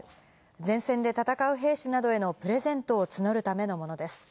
前線で戦う兵士などへのプレゼントを募るためのものです。